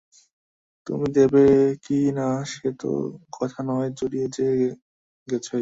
তুমি দেবে কি না সে তো কথা নয়, জড়িয়ে যে গেছেই।